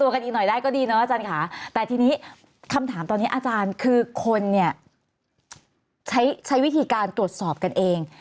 คนเนี่ยใช้วิธีการตรวจสอบกันเอง